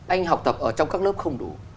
anh học tập ở trong các lớp không đủ